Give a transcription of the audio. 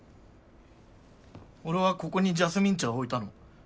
俺はここにジャスミン茶置いたの。